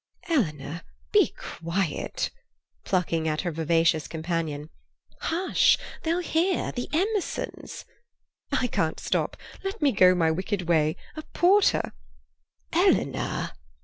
"Eleanor, be quiet," plucking at her vivacious companion. "Hush! They'll hear—the Emersons—" "I can't stop. Let me go my wicked way. A porter—" "Eleanor!"